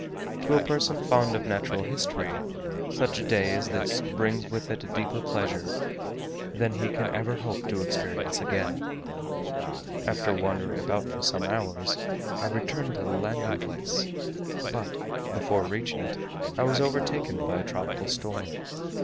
To a person fond of natural history, such a day as this brings with it a deeper pleasure than he can ever hope to experience again. After wandering about for some hours, I returned to the landing place; but, before reaching it, I was overtaken by a tropical storm.